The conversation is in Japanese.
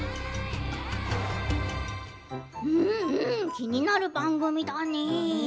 気になる番組だね。